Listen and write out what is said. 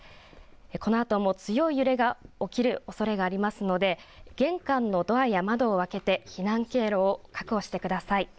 このあとも強い揺れが起きるおそれがありますので玄関のドアや窓を開けて避難経路を確保してください。